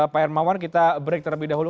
pak hermawan kita break terlebih dahulu